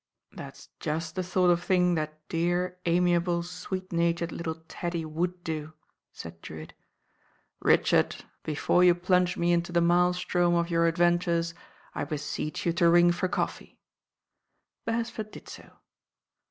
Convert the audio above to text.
That's just the sort of thing that dear, amiable, sweet natured little Teddy would do," said Drewitt. "Richard, before you plunge me into the mael strom of your adventures, I beseech you to rinc for coffee." * Beresford did so.